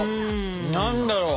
何だろう。